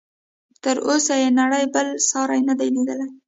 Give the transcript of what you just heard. تر اوسه یې نړۍ بل ساری نه دی لیدلی.